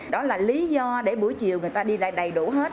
đó là lý do để buổi chiều người ta đi lại đầy đủ hết